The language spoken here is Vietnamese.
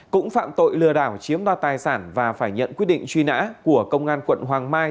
cũng phạm tội lừa đảo chiếm đoạt tài sản và phải nhận quyết định truy nã của công an quận hoàng mai